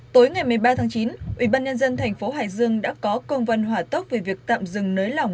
tối ngày một mươi ba tháng chín ủy ban nhân dân thành phố hải dương đã có công văn hỏa tốc về việc tạm dừng nới lỏng